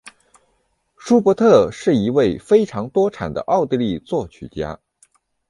舒伯特是一位非常多产的奥地利作曲家。